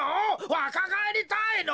わかがえりたいの！